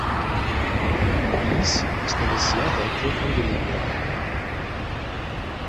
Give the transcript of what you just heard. Dies ist eine sehr heikle Angelegenheit.